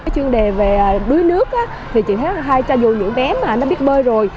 chuyên đề về đuối nước thì chị thấy hay cho dù những bé mà nó biết bơi rồi